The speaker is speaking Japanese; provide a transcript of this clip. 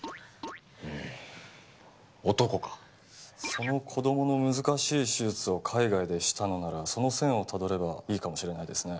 その子供の難しい手術を海外でしたのならその線をたどればいいかもしれないですね。